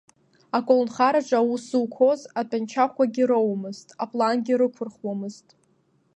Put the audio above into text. Аколнхараҿы аус зуқәоз, атәанчахәгьы рауамызт, аплангьы рықәырхуамызт.